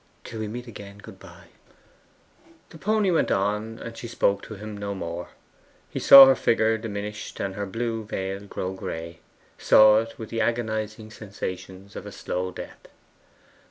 'Till we meet again, good bye!' And the pony went on, and she spoke to him no more. He saw her figure diminish and her blue veil grow gray saw it with the agonizing sensations of a slow death.